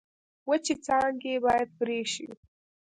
وچې څانګې باید پرې شي.